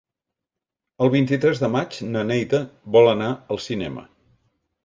El vint-i-tres de maig na Neida vol anar al cinema.